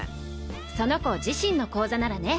その子自身の口座ならね。